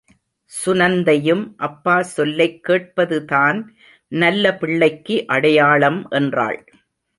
சுநந்தையும் அப்பா சொல்லைக்கேட்பதுதான் நல்ல பிள்ளைக்கு அடையாளம் என்றாள்.